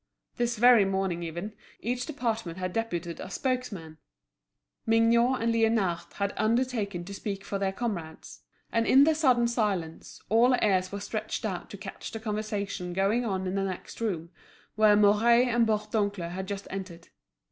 This very morning even, each department had deputed a spokesman. Mignot and Liénard had undertaken to speak for their comrades. And in the sudden silence, all ears were stretched out to catch the conversation going on in the next room, where Mouret and Bourdoncle had just entered.